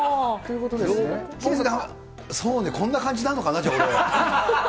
そうね、こんな感じなのかな、じゃあ、俺。